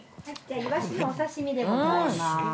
◆イワシのお刺身でございます。